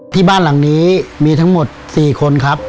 ที่บ้านหลังนี้มีทั้งหมด๔คนครับ